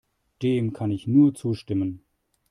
Dem kann ich nur zustimmen.